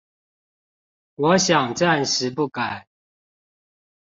我想暫時不改